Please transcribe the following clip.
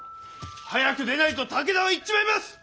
早く出ないと武田は行っちまいます！